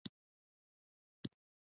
آیا په افغان کیدو ویاړو؟